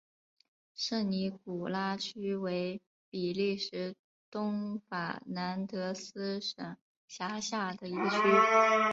圣尼古拉区为比利时东法兰德斯省辖下的一个区。